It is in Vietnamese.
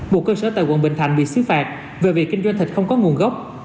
bộ cơ sở tại quận bình thạnh bị xứ phạt vì kinh doanh thịt không có nguồn gốc